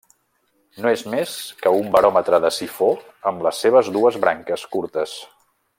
No és més que un baròmetre de sifó amb les seves dues branques curtes.